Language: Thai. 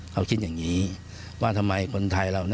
เขาคิดอย่างนี้ว่าทำไมคนไทยเรา